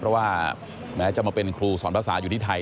เพราะว่าแม้จะมาเป็นครูสอนภาษาอยู่ที่ไทย